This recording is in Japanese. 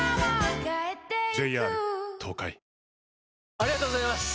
ありがとうございます！